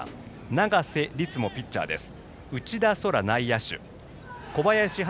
長瀬立嗣もピッチャーです。